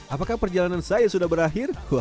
apakah perjalanan saya sudah berakhir